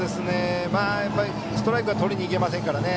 ストライクはとりにいけませんからね。